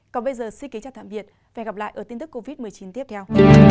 còn bây giờ xin kính chào tạm biệt và hẹn gặp lại ở tin tức covid một mươi chín tiếp theo